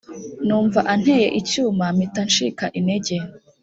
numva anteye icyuma mpita ncika intege